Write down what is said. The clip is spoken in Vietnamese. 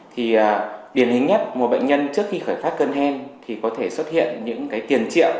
thì điển hình nhất một bệnh nhân trước khi khởi phát cơn hen thì có thể xuất hiện những cái tiền triệu